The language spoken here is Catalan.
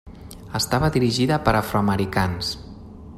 Estava dirigida per afroamericans.